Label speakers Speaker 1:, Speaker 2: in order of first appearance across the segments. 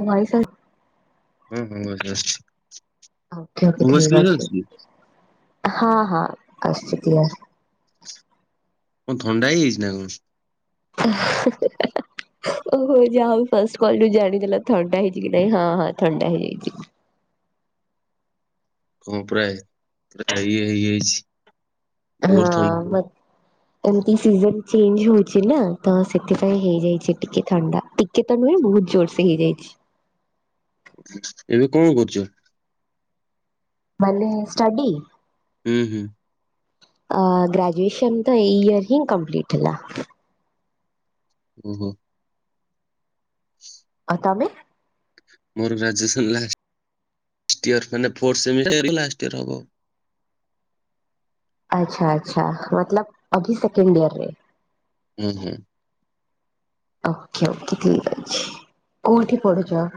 Speaker 1: ମୋ ଭାଇ ଶାଳି।
Speaker 2: ହଁ ହଁ ମଝିରେ ଆସଛି।
Speaker 1: ଓକେ ଓକେ ଠିକ୍ ଅଛି ହଁ ହଁ ଆସୁଛି କ୍ଲିଅର୍।
Speaker 2: ତମକୁ ଥଣ୍ଡା ହିଇଯାଇଛି ନା କଣ?
Speaker 1: ଓହୋ ଯାହା ହଉ ଫାଷ୍ଟ କଲ୍ ରେ ଜାଣିଦେଲା ଥଣ୍ଡା ହେଇଛି କି ନାଇଁ, ହଁ ହଁ ଥଣ୍ଡା ହେଇଯାଇଛି।
Speaker 2: ହଁ ପ୍ରାୟ କଥା ହେଇ ହେଇ ହେଇଛି।
Speaker 1: ହଁ ବଟ୍ ଏମତି ସିଜନ ଚେଞ୍ଜ ହଉଛି ନା ତ ସେଥିପାଇଁ ହେଇଯାଇଛି ଟିକେ ଥଣ୍ଡା ଟି କେତ ନୁହେଁ ବହୁତ ଜୋରସେ ହେଇଯାଇଛି।
Speaker 2: ଏବେ କଅଁ କରୁଚ?
Speaker 1: ମାନେ ଷ୍ଟଡି?
Speaker 2: ହୁଁ, ହୁଁ।
Speaker 1: ଅ ଗ୍ରଜୁଏଶନ୍ ତ ଏଇ ଇୟର ହିଁ କମ୍ପ୍ଲିଟି ହେଲା।
Speaker 2: ଉଁ ହୁଁ। [unintelligible]
Speaker 1: ଆଉ ତମେ?
Speaker 2: ମୋର ଗ୍ରାହୁଏସନ ଲାଷ୍ଟ ଟିୟର ମାନେ ଫୋର ସେମି [unintelligible]
Speaker 1: ଆଚ୍ଛା ଆଚ୍ଛା ମତଲବ ଅଭି ସେକଣ୍ଡିୟର ରେ।
Speaker 2: ହୁଁ ହୁଁ।
Speaker 1: ଓକେ ଓକେ ଠିକ୍ଅଛି କୋଉଠି ପଢୁଛ?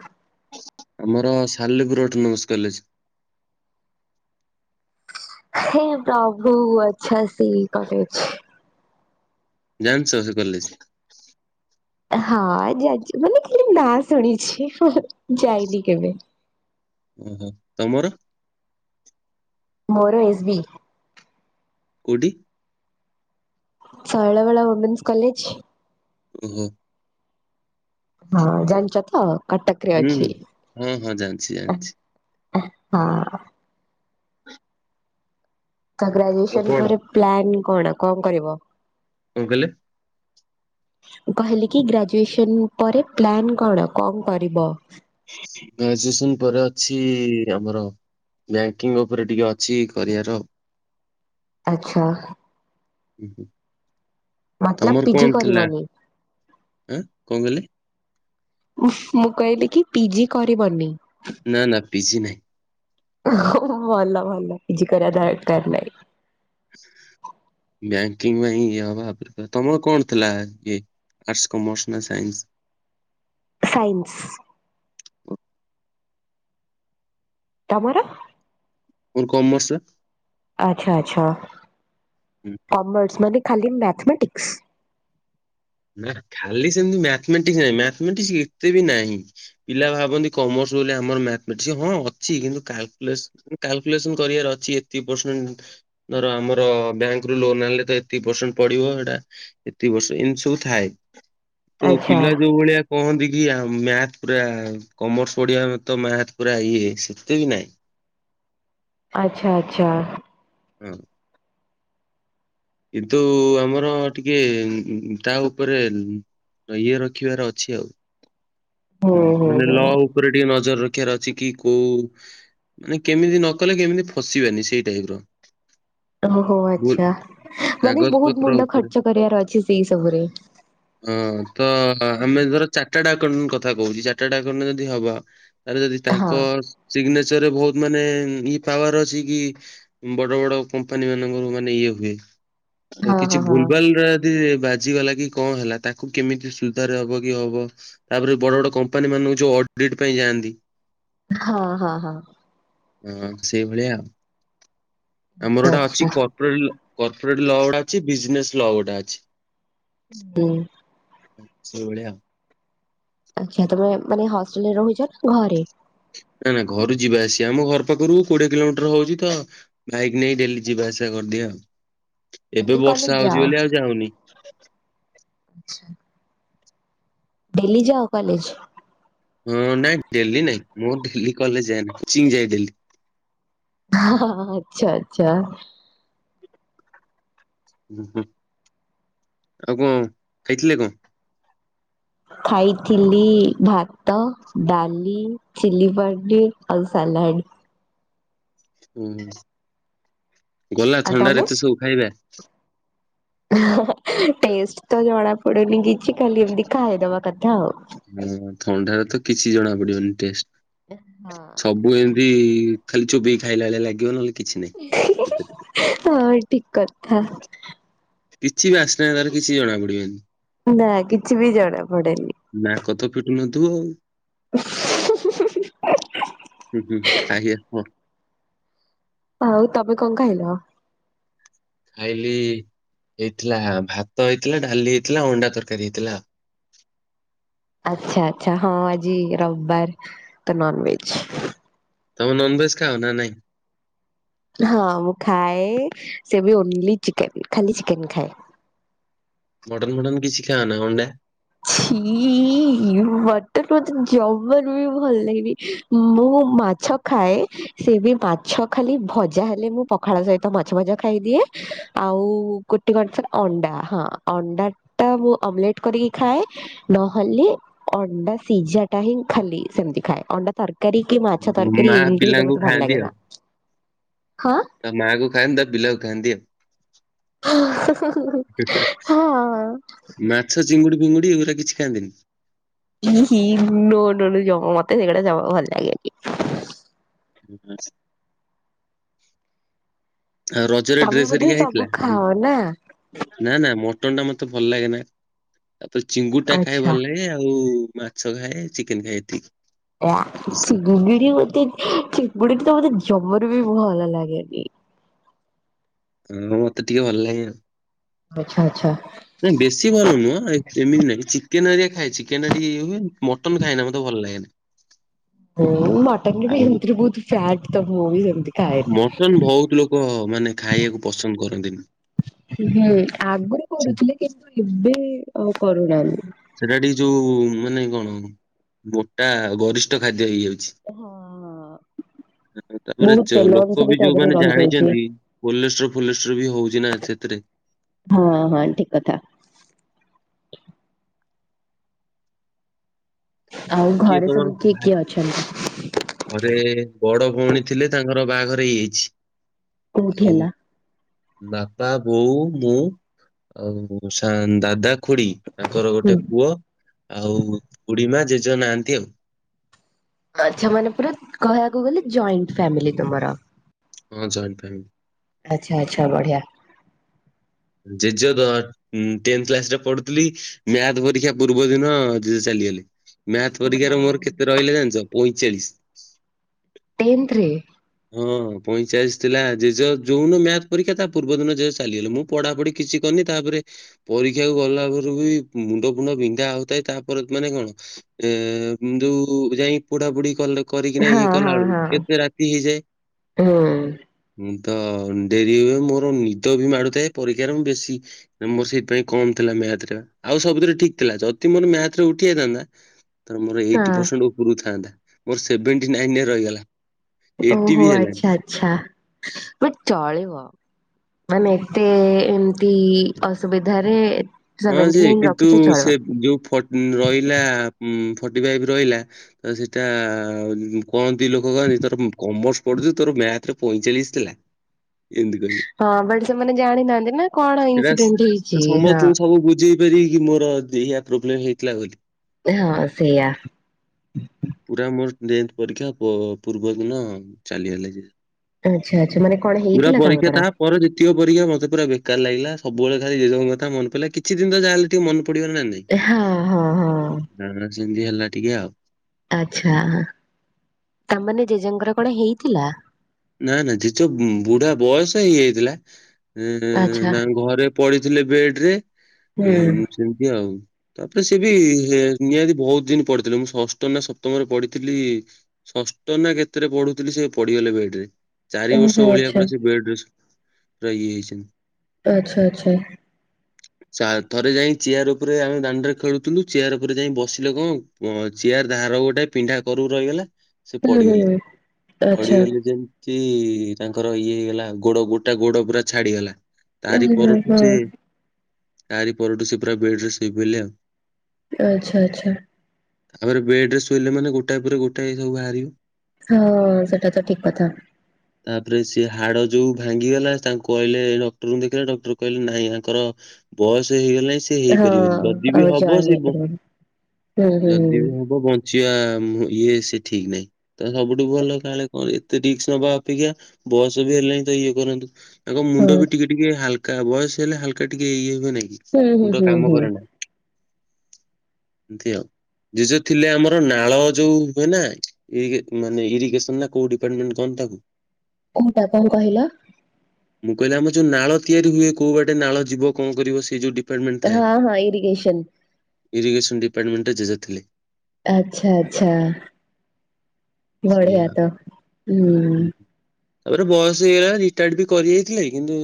Speaker 2: ଆମର ସାଲେପୁର ଅଟନମସ କଲେଜ।
Speaker 1: ହେ ପ୍ରଭୁ ଆଛା, ସେଇ କଲେଜ।
Speaker 2: ଜାଣିଛ ସେ କଲେଜ।
Speaker 1: ହଁ ଜାଣିଛି ବୋଲି ଖାଲି ନା ଶୁଣିଛି ହଁ ଯାଇନି କେବେ।
Speaker 2: ଓହୋ ତମର?
Speaker 1: ମୋର ଏସବି।
Speaker 2: କୋଉଠି?
Speaker 1: Shailabala women's college.
Speaker 2: ହୁଁ ହୁଁ।
Speaker 1: ହଁ ଜାଣିଛ ତ କଟକରେ
Speaker 2: ହୁଁ
Speaker 1: ଅଛି।
Speaker 2: ହୁଁ ହଁ ହଁ ଜାଣିଛି ଜାଣିଛି।
Speaker 1: ହଁ। ତ
Speaker 2: ଆଉ
Speaker 1: ଗ୍ରାଜୁଏସନ୍
Speaker 2: କଣ
Speaker 1: ପରେ ପ୍ଲାନ କଣ, କଣ କରିବ?
Speaker 2: କଣ କହିଲେ?
Speaker 1: ମୁଁ କହିଲିକି ଗ୍ରାଜୁଏସନ୍ ପରେ ପ୍ଲାନ୍ କଣ, କଣ କରିବ?
Speaker 2: ଗ୍ରାଜୁଏସନ୍ ପରେ ଅଛି, ଆମର ବ୍ୟାଙ୍କିଙ୍ଗ୍ ଉପରେ ଟିକେ ଅଛି କରିବାର।
Speaker 1: ଆଚ୍ଛା। ମତଲବ
Speaker 2: ତମର
Speaker 1: ପିଜି
Speaker 2: କଣ ଥିଲା?
Speaker 1: କରିବନି।
Speaker 2: ଆଁ କଣ କହିଲେ?
Speaker 1: ଉହୁଁ, ମୁଁ କହିଲି କି ପିଜି କରିବନି?
Speaker 2: ନା-ନା ପିଜି ନାହିଁ।
Speaker 1: ଓହୋ ଭଲ‌ ଭଲ କିଛି କରିବା ଦରକାର ନାହିଁ। [unintelligible]
Speaker 2: ବ୍ୟାଙ୍କିଙ୍ଗ୍ ପାଇଁ ଏ ହବା ପ୍ରିପେୟାର, ତମର କଣ ଥିଲା ଇଏ? ଆର୍ଟସ୍ କମର୍ସ ନା ସାଇନ୍ସ୍?
Speaker 1: ସାଇନ୍ସ। ତମର?
Speaker 2: ମୋର କମର୍ସ ପା।
Speaker 1: ଆଚ୍ଛା-ଆଛା, କମର୍ସ ମାନେ ଖାଲି ମ୍ୟାଥମେଟିକ୍ସ?
Speaker 2: ନା ଖାଲି ସେମିତି ମ୍ୟାଥମେଟିକ୍ସ ନାହିଁ ମ୍ୟାଥମେଟିକ୍ସ ଏତେ ବି ନାହିଁ। ପିଲା ଭାବନ୍ତି କମର୍ସ ବୋଲି ଆମର ମ୍ୟାଥମେଟିକ୍ସ, ହଁ ଅଛି କିନ୍ତୁ କାଲକୁଲସ [inaudible] କାଲକୁଲେସନ କରିବାର ଅଛି, ଏତିକ ପରସେଣ୍ଟ ଧର ଆମର ବ୍ୟାଙ୍କରୁ ଲୋନ ଆଣିଲେ ତ ଏତିକ ପରସେଣ୍ଟ ପଡିବ ସେଟା ଏତିକି ବର୍ଷ ଏମିତ ସବୁ। ଥାଏ, ତ
Speaker 1: ଆଚ୍ଛା
Speaker 2: ପିଲା ଯୋଉ ଭଳିଆ କୁହନ୍ତି କି ଆମ୍ ମ୍ୟାଥ ପୁରା କମର୍ସ ପଢିବା, ତ ମ୍ୟାଥ ପୁରା ଇଏ ସେତେ ବି ନାଇଁ।
Speaker 1: ଆଚ୍ଛା ଆଚ୍ଛା।
Speaker 2: ହୁଁ। କିନ୍ତୁ ଆମର ଟିକେ ତା ଉପରେ ଇଏ ରଖିବାର ଅଛି ଆଉ। ହୁଁ ମାନେ ଲ ଉପରେ ଟିକେ ନଜର ରଖିବାର ଅଛି କି କୋଉ ମାନେ କେମିତି ନ କଲେ କେମିତି ଫସିବାନି, ସେଇ ଟାଇପର।
Speaker 1: ଓହୋଃ ଆଚ୍ଛା, ମାନେ
Speaker 2: କାଗଜ
Speaker 1: ବହୁତ
Speaker 2: ପତ୍ର
Speaker 1: ମୁଣ୍ଡ
Speaker 2: ଉପରେ
Speaker 1: ଖର୍ଚ୍ଚ କରିବାର ଅଛି ସେଇ ସବୁରେ।
Speaker 2: ହଁ ତ ଆମେ ଧର ଚାଟାର୍ଡ ଆକାଉଣ୍ଟ କଥା କହୁଛି ଚାଟାର୍ଡ ଆକାଉଣ୍ଟାଣ୍ଟ ଯଦି ହବ ଆରେ ଯଦି
Speaker 1: ହଁ
Speaker 2: ତାଙ୍କ ସିଗ୍ନେଚରରେ ବହୁତ ମାନେ ଇ ପାୱାର ଅଛି କି ବଡ ବଡ କମ୍ପାନୀ ମାନଙ୍କର ମାନେ ଇଏ ହୁଏ ତ
Speaker 1: ହଁ
Speaker 2: କିଛି
Speaker 1: ହଁ ହଁ
Speaker 2: ଭୁଲ୍ ଭାଲରେ ଯଦି ବାଜିଗଲା କି କଣ ହେଲା ତାକୁ କେମିତି ସୁଧାରି ହବ କି ହବ ତାପରେ ବଡ ବଡ କମ୍ପାନୀମାନଙ୍କୁ ଯୋଉ ଅଡିଟ୍ ପାଇଁ ଯାଆନ୍ତି
Speaker 1: ହଁ-ହଁ-ହଁ।
Speaker 2: ହଁ ସେଇଭଳିଆ ଆଉ, ଆମର
Speaker 1: ଆଚ୍ଛା
Speaker 2: ଗୋଟେ
Speaker 1: ଆଚ୍ଛା
Speaker 2: ଅଛି ପ [inaudible] କର୍ପୋରେଟ୍ ଲ ଗୋଟା ଅଛି ବିଜନେସ୍ ଲ ଗୋଟା ଅଛି।
Speaker 1: [unintelligible]
Speaker 2: ହୁଁ ସେଇଭଳିଆ ଆଉ।
Speaker 1: ଆଚ୍ଛା, ତମେ ମାନେ ହଷ୍ଟେଲରେ ରହୁଛ ନା ଘରେ?
Speaker 2: ନା ନା ଘରୁ ଯିବା ଆସିବା। ଆମ ଘର ପାଖରୁ କୋଡିଏ କିଲୋମିଟର ହଉଛି ତ ବାଇକ ନେଇ ଡେଲି ଯିବା ଆସିବା କରିଦିଏ ଆଉ।
Speaker 1: ଡେଲି
Speaker 2: ଏବେ
Speaker 1: କଲେଜ
Speaker 2: ବର୍ଷା
Speaker 1: ଯାଅ
Speaker 2: ହଉଛି ବୋଲି ଆଉ ଯାଉନି।
Speaker 1: ଆଚ୍ଛା। ଡେଲି ଯାଅ କଲେଜ?
Speaker 2: ହଁ ନାଇଁ ଡେଲି ନାଇଁ ମୁଁ ଡେଲି କଲେଜ ଯାଏନି। କୋଚିଂ ଯାଏ ଡେଲି।
Speaker 1: ହଁ ଆଛା ଆଚ୍ଛା।
Speaker 2: ହୁଁ ହୁଁ, ଆଉ କଣ ଖାଇଥିଲେ କଣ?
Speaker 1: ଖାଇଥିଲି ଭାତ, ଡାଲି ଚିଲ୍ଲି ପନୀର୍ ଆଉ ସାଲାଡ।
Speaker 2: ହୁଁ, ଗଲା
Speaker 1: ଆଉ ତମେ?
Speaker 2: ଥଣ୍ଡାରେ ଏତେ ସବୁ ଖାଇବା?
Speaker 1: ଟେଷ୍ଟ ତ ଜଣା ପଡୁନି କିଛି, ଖାଲି ଏମତି ଖାଇଦବା କଥା ଆଉ।
Speaker 2: ହଁ, ଥଣ୍ଡାରେ ତ କିଛି ଜଣା ପଡିବନି ଟେଷ୍ଟ।
Speaker 1: ହଁ।
Speaker 2: ସବୁ ଏମିତି ଖାଲି ଚୋବେଇକି ଖାଇଲା ଭଳିଆ ଲାଗିବ ନହେଲେ କିଛି ନହିଁ ସେଥିରେ।
Speaker 1: ହଁ ଠିକ କଥା।
Speaker 2: କିଛି ବାସ୍ନା ତାର କିଛି ଜଣା ପଡିବନି।
Speaker 1: ନା କିଛି ବି ଜଣା ପଡେନି।
Speaker 2: ନାକ ତ ଫିଟୁ ନଥିବ ଆଉ। [inaudible]
Speaker 1: ଆଉ ତମେ କଣ ଖାଇଲ?
Speaker 2: ଖାଇଲି, ହେଇଥିଲା ଭାତ ହେଇଥିଲା, ଡାଲି ହେଇଥିଲା, ଅଣ୍ଡା ତରକାରୀ ହେଇଥିଲା ଆଉ।
Speaker 1: ଆଚ୍ଛା ଆଛା ହଁ ଆଜି ରବିବାର ତ ନନଭେଜ୍।
Speaker 2: ତମେ ନନଭେଜ ଖାଅ ନା ନାଇଁ?
Speaker 1: ହଁ ମୁଁ ଖାଏ ସେ ବି ଓନ୍ଲି ଚିକେନ, ଖାଲି ଚିକେନ ଖାଏ।
Speaker 2: ମଟନ-ଫଟନ କିଛି ଖାଅନା? ଅଣ୍ଡା?
Speaker 1: ଛି। ମଟନ୍ ମତେ ଜମାରୁ ବି ଭଲ ଲାଗେନି। ମୁଁ ମାଛ ଖାଏ ସେ ବି ମାଛ ଖାଲି ଭଜା ହେଲେ ମୁଁ ପଖାଳ ସହିତ ମାଛ ଭଜା ଖାଇଦିଏ। ଆଉ ଗୋଟେ କଣ ଅଣ୍ଡା, ହଁ ଅଣ୍ଡା ଟା ମୁଁ ଅମଲେଟ କରିକି ଖାଏ। ନହେଲେ ଅଣ୍ଡା ସିଝା ଟା ହିଁ ଖାଲି ସେମିତି ଖାଏ। ଅଣ୍ଡା ତରକାରୀ କି ମାଛ ତରକାରୀ
Speaker 2: ମା
Speaker 1: ଏମିତି ହେଲେ
Speaker 2: ପିଲାଙ୍କୁ
Speaker 1: ମତେ ଭଲ
Speaker 2: ଖାଆନ୍ତି
Speaker 1: ଲାଗେନା।
Speaker 2: ଆଉ
Speaker 1: ହଁ?
Speaker 2: ତା ମାଆକୁ ଖାଆନ୍ତି, ତା ପିଲାକୁ ଖାନ୍ତିି ଆଉ।
Speaker 1: ହଁ।
Speaker 2: ମାଛ, ଚିଙ୍ଗୁଡି-ଫିଙ୍ଗୁଡ଼ି ଏଗୁରା କିଛି ଖାଆନ୍ତି ନି?
Speaker 1: ଇହି ହି ନୋ ନୋ ନୋ ଜମା ମତେ ସେଗୁରା ଜମା ଭଲ ଲାଗେନି।
Speaker 2: ଆଚ୍ଛା। ଆଉ ରଜରେ
Speaker 1: ତମେ
Speaker 2: ଡ୍ରେସ
Speaker 1: ବୋଧେ
Speaker 2: ହେରିକା
Speaker 1: ସବୁ
Speaker 2: ହେଇଥିଲା?
Speaker 1: ଖାଅ ନା
Speaker 2: ନା ନା ମଟନ ଟା ମତେ ଭଲ ଲାଗେନା, ଆଉ ତ ଚିଙ୍ଗୁଡି ଟା ଖାଏ
Speaker 1: ଆଚ୍ଛା।
Speaker 2: ଭଲ ଲାଗେ ଆଉ ମଛ ଖାଏ, ଚିକେନ ଖାଏ ଏତିକି।
Speaker 1: ଏ
Speaker 2: ଆଉ କିଛି ନାହିଁ।
Speaker 1: ଚିୁୁଡି ମତେ ଚିଙ୍ଗୁଡି ତ ମତେ ଜମାରୁ ବି ଭଲ ଲାଗେନି।
Speaker 2: ହଁ ମତେ ଟିକେ ଭଲ ଲାଗେ ଆଉ।
Speaker 1: ଆଚ୍ଛା ଆଚ୍ଛା।
Speaker 2: ନାଇଁ ବେଶୀ ଭଲ ନୁହଁ, ଏମିତି ନାଇଁ। ଚିକେନ ହେରିକା ଖାଏ ଚିକେନ ଟିକେ ଇଏ ହୁଏ। ମଟନ ଖାଇନା ମତେ ଭଲ ଲାଗେନା।
Speaker 1: ହଉ ମଟନରେ ବି
Speaker 2: ଆଉ
Speaker 1: ଏମିତିରେ ବହୁତ ଫ୍ୟାଟ, ତ ମୁ ଭି ସେମିତି ଖାଏନି।
Speaker 2: ମଟନ ବହୁତ ଲୋକ ମାନେ ଖାଇବାକୁ ପସନ୍ଦ କରନ୍ତିନି।
Speaker 1: ହୁଁ, ଆଗରୁ
Speaker 2: ଆଚ୍ଛା।
Speaker 1: କରୁଥିଲେ କିନ୍ତୁ ଏବେ କରୁନାହାନ୍ତି।
Speaker 2: ସେଟା ଟିକେ ଯଉ ମାନେ କଣ ମୋଟା ଗରିଷ୍ଠ ଖାଦ୍ୟ ହେଇଯାଉଛି।
Speaker 1: ହଁ ଅଁ
Speaker 2: ତାପରେ ଜ ଲୋକ ବି
Speaker 1: ତା ଦେହରେ
Speaker 2: ଯୋଉମାନେ
Speaker 1: ରହିଯାଉଛି।
Speaker 2: ଜାଣିଚନ୍ତି। କୋଲେଷ୍ଟ୍ରୋ ଫୋଲେଷ୍ଟ୍ରୋ ବି ହଉଛି ନା ସେଥିରେ।
Speaker 1: ହଁ ହଁ ଠିକ କଥା। ଆଉ ଘରେ ସବୁ କିଏ କିଏ ଅଛନ୍ତି?
Speaker 2: ଗୋଟେ ଘରେ ବଡ ଭଉଣୀ ଥିଲେ ତାଙ୍କର ବାହାଘର ହେଇଯାଇଛି।
Speaker 1: କୋଉଠି
Speaker 2: ଆଉ
Speaker 1: ହେଲା?
Speaker 2: ବାପା ବୋଉ ମୁଁ ଆଉ ସାଂ ଦାଦା ଖୁଡି ତାଙ୍କର
Speaker 1: ହୁଁ।
Speaker 2: ଗୋଟେ ପୁଅ ଆଉ ଖୁଡିମା ଜେଜ ନାହାନ୍ତି ଆଉ।
Speaker 1: ଆଛା ମାନେ ପୁରା କହିବାକୁ ଗଲେ ଜଏଣ୍ଟ ଫ୍ୟାମିଲି ତମର।
Speaker 2: ହଁ ଜଏଣ୍ଟ ଫ୍ୟାମିଲି।
Speaker 1: ଆଚ୍ଛା ଆଚ୍ଛା ବଢ଼ିଆ
Speaker 2: ଜେଜ ଟେନ କ୍ଲାସ ରେ ପଢୁଥିଲି ମ୍ୟାଥ ପରୀକ୍ଷା ପୂର୍ବ ଦିନ ଜେଜେ ଚାଲିଗଲେ। ମ୍ୟାଥ ପରୀକ୍ଷାରେ ମୋର କେତେ ରହିଲା ଜାଣିଛ ପଇଁଚାଳିଶ।
Speaker 1: ଟେନ୍ଥରେ
Speaker 2: ହଁ ପଇଁଚାଳିଶ ଥିଲା ଜେଜ ଯୋଉନ ମ୍ୟାଥ ପରୀକ୍ଷା ତା ପୂର୍ବ ଦିନ ଜେଜେ ଚାଲିଗଲେ ମ। ପଢାପଢି କିଛି କରିନି ତାପରେ ପରୀକ୍ଷାକୁ ଗଲା ପରେ ବି ମୁଣ୍ଡ ଫୁଣ୍ଡ ବିନ୍ଧା ହଉଥାଏ ତାପରେ ମାନେ କଣ ଏ ଯୋଉ ଯାଇ ପୁଡାପୁଡି କଲେ କରିକିନା
Speaker 1: ହଁ
Speaker 2: ଇଏ କଲା
Speaker 1: ହଁ
Speaker 2: ବେଳକୁ କେତେ ରାତି ହେଇଯାଏ।
Speaker 1: ହଁ।
Speaker 2: ହୁଁ ତ ଡେରି ହୁଏ ମୋର ନିଦ ବି ମାଡୁଥାଏ ପରୀକ୍ଷାରେ ମୁ ବେଶୀ ମୋର ସେଇଥିପାଇଁ କମ ଥିଲା ମ୍ୟାଥଟା। ଆଉ ସବୁଥିରେ ଠିକ ଥିଲା ଯଦି ମୋର ମ୍ୟାଥରେ ଉଠି ଯାଇଥାନ୍ତା ତେଣୁ ମୋର
Speaker 1: ହଁ
Speaker 2: ଏଇଟ ପରସଣ୍ଟ ଉପରୁ ଥାନ୍ତା ମୋର ସେଭେଣ୍ଟି ନାଇନରେ ରହିଗଲା। ଏଇଟି
Speaker 1: ଓହୋ
Speaker 2: ବି ହେଲାନି।
Speaker 1: ଆଚ୍ଛା ଆଚଛା ବଟ ଚଳିବ। ମାନେ ଏତେ ଏମିତି ଅସୁବିଧାରେ
Speaker 2: ହଁ
Speaker 1: ସେଭେଣ୍ଟି
Speaker 2: ଯେ
Speaker 1: ନାଇନ
Speaker 2: କିନ୍ତୁ
Speaker 1: ରଖିଛ ଚଳିବ।
Speaker 2: ସେ ଯୋଉଫ ରହିଲା ଫର୍ଟି ଫାଇଭ ରହିଲା ତ ସେଇଟା କହନ୍ତି ଲୋକ କହନ୍ତି ତୋର କମର୍ସ ପଢୁଚୁ ତୋର ମ୍ୟାଥରେ ପଇଁଚାଳିଶ ଥିଲା। ଏନ୍ତି କହିବେ।
Speaker 1: ହଁ ବଟ ସେମାନେ ଜାଣିନାହାଁନ୍ତି ନା କଣ ଇନସିଡେଣ୍ଟ ହେଇଛି, ହଁ।
Speaker 2: ମୁଁ ବୁଝେଇ ପାରିବି କି ମୋରଏଇଆ ପ୍ରୋବ୍ଲେମ ହେଇଥିଲା ବୋଲି।
Speaker 1: ହଁ ସେୟା।
Speaker 2: ପୁରା ମୋରେ ଟେନ୍ଥ ପରୀକ୍ଷା ପ ପୂର୍ବ ଦିନ ଚାଲିଗଲେ ଯେ
Speaker 1: ଆଚ୍ଛା ଆଛା ମାନେ କଣ ହେଇଥିଲା ତାଙ୍କର?
Speaker 2: ମୋର ଯେତିକ ପରୀକ୍ଷା ମୋତେ ପୁରା ବେକାର ଲାଗିଲା ସବୁବେଳେ ଖାଲି ଜେଜେଙ୍କ କଥା ମନେ ପଡିଲା କିଛିି ଦିନି ତ ଯାହାହେଲେ ଟିକେ ମନେ ପଡ଼ିବ ନା ନାଇଁ।
Speaker 1: ଏହା ହଁ, ହଁ, ହଁ।
Speaker 2: ନା ନା ଜେମିତି ହେଲା ଟିକେ ଆଉ।
Speaker 1: ଆଚ୍ଛା ତାମାନେ ଜେଜେଙ୍କର କଣ ହେଇଥିଲା?
Speaker 2: ନା ନା ଯେଜ ବୁଢା ବୟସ ହେଇଯାଇଥିଲା। ହୁଁ
Speaker 1: ଆଚ୍ଛା
Speaker 2: ତାଙ୍କ ଘରେ ପଡିଥିଲେ ବେଡରେ
Speaker 1: ହୁଁ
Speaker 2: ସେମିତି ଆଉ। ତାପରେ ସେ ବି ନିହାତି ବହୁତ ଦିନ ପଢିଥିଲେ ମୁଁ ଷଷ୍ଠ ନା ସପ୍ତମରେ ପଢିଥିଲି। ଷଷ୍ଠ ନା କେତେରେ ପଢୁଥିଲି ସେ ପଡ଼ିଗଲେ ବେଡରେ। ଚାରି
Speaker 1: ଓହୋ
Speaker 2: ବର୍ଷ ଭଳିଆ
Speaker 1: ଆଚ୍ଛା
Speaker 2: ପୁରା ସେ ବେଡ ରେସ ପୁରା ଇଏ ହେଇଛନ୍ତି।
Speaker 1: ଆଚ୍ଛା ଆଚ୍ଛା।
Speaker 2: ଚା ଥରେ ଯାଇ ଚେୟାର ଉପରେ ଆମେ ଦାଣ୍ଡରେ ଖେଳୁଥିଲୁ ଚେୟାର ଉପରେ ଯାଇ ବସିଲ କଣ ଚେୟାର ଧାର ଗୋଟେ ପିଣ୍ଢା କରୁକୁ ରହିଗଲା ସେ
Speaker 1: ହୁଁ
Speaker 2: ପଡିଗଲି।
Speaker 1: ହୁଁ ଆଚ୍ଛା।
Speaker 2: ପଡିଗଲେ ଯେ ତି ତାଙ୍କର ଇଏ ହେଇଗଲା ଗୋଡ ଗୋଟା ଗୋଡ ପୁରା ଛାଡିଗଲା। ତାରି
Speaker 1: ଓହୋ
Speaker 2: ପରଠୁ
Speaker 1: ହଁ
Speaker 2: ସେ ତାରି ପରଠୁ ସେ ପୁରା ବେଡ୍ ରେ ଶୋଇ ପଇଲେ ଆଉ।
Speaker 1: ଆଚ୍ଛା ଆଚ୍ଛା।
Speaker 2: ତାପରେ ବେଡ୍ ରେ ଶୋଇଲେ ମାନେ ଗୋଟାଏ ପରେ ଗୋଟାଏ ସବୁ ବାହାରିବ।
Speaker 1: ହଁ ସେଟା ତ ଠିକ୍ କଥା।
Speaker 2: ତାପରେ ସେ ହାଡ ଯୋଉ ଭାଙ୍ଗିଗଲା ତାଙ୍କୁ କହିଲେ ଡକ୍ଟରଙ୍କୁ ଦେଖିଲେ ଡକ୍ଟର କହିଲେ ନାଇଁ ଆଙ୍କର ବୟସ ହେଇଗଲାଣି ସେ
Speaker 1: ହଁ
Speaker 2: ହେଇପାରିବନି। ଯଦି
Speaker 1: ଆଉ
Speaker 2: ବି ହବ
Speaker 1: ଜଏନ୍
Speaker 2: ସେ ବ
Speaker 1: ହେଇପାରିବନି ହୁଁ ହୁଁ
Speaker 2: ଯଦି ବି ହବ ବଞ୍ଚ ଚି ଆ ଇଏ ସେ ଠିକ୍ ନାହିଁ। ତ ସବୁଠୁ ଭଲ ତାହାଲେ କଣ ଏତେ ରିକ୍ସ ନବା ଅପେକ୍ଷା ବୟସ ବି ହେଲାଣିି ତ ଇଏ କରନ୍ତୁ। ତାଙ୍କ ମୁଣ୍ଡ ବି
Speaker 1: ହୁଁ
Speaker 2: ଟିକେ ଟିକେ ହାଲକା ବୟସ ହେଲେ ହାଲକା ଟିକେ ଇଏ ହୁଏ ନା କି
Speaker 1: ହୁଁ ହୁଁ
Speaker 2: ମୁୁଣ୍ଡ
Speaker 1: ହୁଁ
Speaker 2: କାମ କରେନା।
Speaker 1: [inaudible]
Speaker 2: ଏମତି ଆଉ। ଜେଜ ଥିଲେ ଆମର ନାଳ ଯୋଉ ହୁଏ ନା ଇରି ମାନେ ଇରିଗେସନ ନା କୋଉଠି [unintelligible]
Speaker 1: କୋଉଟା କଣ କହିଲ?
Speaker 2: ମୁଁ କହିଲି ଆମର ଯୋଉ ନାଳ ତିଆରି ହୁଏ କୋଉ ବାଟେ ନାଳ ଯିବ କଣ କରିବ ସେଇ ଯୋଉ ଡିପାର୍ଟମେଣ୍ଟ ଥାଏ,
Speaker 1: ହଁ ହଁ ଇରିଗେସନ
Speaker 2: ଇରିଗେସନ ଡିପାର୍ଟମେଣ୍ଟ ଜେଜେ ଥିଲେ।
Speaker 1: ଆଚ୍ଛା ଆଚ୍ଛା।
Speaker 2: ସେଇଆ
Speaker 1: ବଢିଆ ତ। ହୁଁ
Speaker 2: ତାପରେ ବୟସ ହେଇଗଲାଣି ରିଟାୟଡ ବି କରି ଯାଇଥିଲେ। କିନ୍ତୁ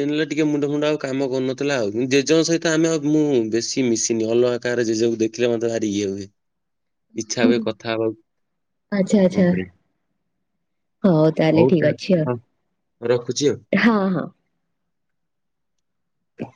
Speaker 2: ଏ ନେଲେ ଟିକେ ମୁଣ୍ଡ ଫୁଣ୍ଡ ଆଉ କାମ କରୁନଥିଲା ଆଉ। ଜେଜଙ୍କ ସହିତ ଆମେ ଆଉ ମୁଁ ବେଶୀ ମିଶିନି। ଅଲଗା ତାପରେ ଜେଜ ଙ୍କୁ ଦେଖିଲେ ମତେ ଭାରି ଇଏ ହୁଏ। ଇଚ୍ଛା ହୁଏ କଥା ହବାକୁ
Speaker 1: ଆଚ୍ଛା
Speaker 2: କଣ
Speaker 1: ଆଚ୍ଛା।
Speaker 2: କରିବା
Speaker 1: ହଉ ତାହେଲେ
Speaker 2: ଟା
Speaker 1: ଠିକ୍ ଅଛି
Speaker 2: ହଉ
Speaker 1: ଆଉ। ହଁ ହଁ। ହ